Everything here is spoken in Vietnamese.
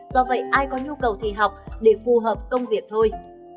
do vậy ai có nhu cầu thì học để phù hợp công việc thôi